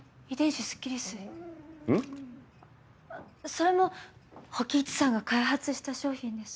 それも火鬼壱さんが開発した商品です。